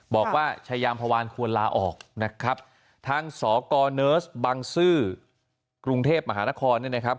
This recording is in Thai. บอกว่าชายามพวานควรลาออกนะครับทางสกเนิร์สบังซื้อกรุงเทพมหานครเนี่ยนะครับ